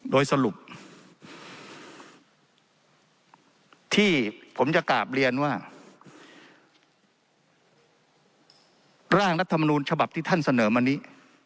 โดยสรุปที่ผมจะกราบเรียนว่าร่างรัฐมนูลฉบับที่ท่านเสนอมานี้